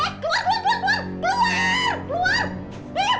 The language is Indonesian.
eh keluar keluar keluar keluar